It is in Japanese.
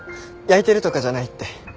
やいてるとかじゃないって。